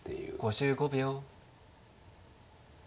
５５秒。